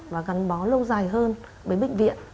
và gắn bó lâu dài hơn với bệnh viện